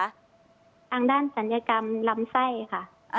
ทางด้านศัลยกรรมลำไส้ค่ะ